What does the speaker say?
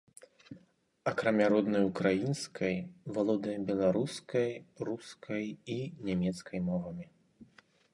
Акрамя роднай украінскай, валодае беларускай, рускай і нямецкай мовамі.